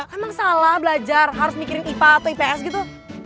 emang salah belajar harus mikirin ipa atau ips gitu